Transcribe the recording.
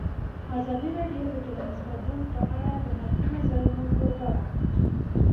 ازادي راډیو د ټولنیز بدلون په اړه د نقدي نظرونو کوربه وه.